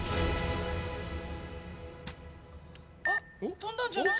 あっ飛んだんじゃない？